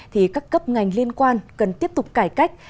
thì các cấp ngành liên quan cần tiếp tục cải cách